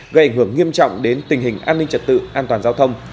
gây ảnh hưởng nghiêm trọng đến tình hình an ninh trật tự an toàn giao thông